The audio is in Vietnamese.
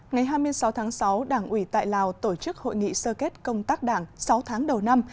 ngày hai mươi sáu tháng sáu đảng ủy tại lào tổ chức hội nghị sơ kết công tác đảng sáu tháng đầu năm